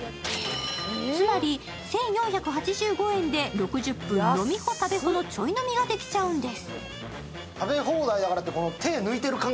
つまり１４８５円で６０分飲みホ、食べホのちょい飲みができちゃうんです。